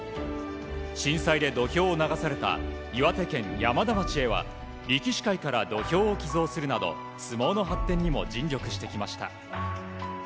震災で土俵を流された岩手県山田町へ力士会から土俵を寄贈するなど相撲の発展にも尽力してきました。